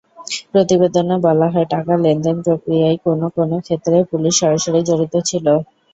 প্রতিবেদনে বলা হয়, টাকা লেনদেন-প্রক্রিয়ায় কোনো কোনো ক্ষেত্রে পুলিশ সরাসরি জড়িত ছিল।